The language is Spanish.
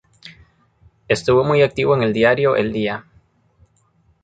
Estuvo muy activo en el diario El Día.